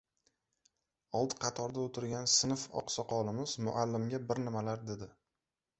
Old qatorda o‘tirgan sinf oqsoqolimiz muallimga bir nimalar dedi.